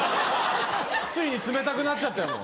ついに冷たくなっちゃった。